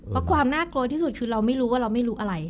เพราะความน่ากลัวที่สุดคือเราไม่รู้ว่าเราไม่รู้อะไร